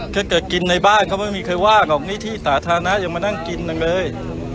ถ้าเกิดกินในบ้านเขาไม่มีใครว่าหรอกนี่ที่สาธารณะยังมานั่งกินนางเลย